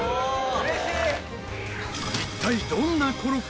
うれしい！